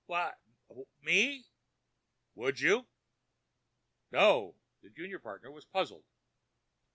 "W'at—me?" "Would you?" "No." The junior partner was puzzled.